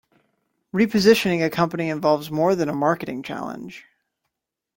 Repositioning a company involves more than a marketing challenge.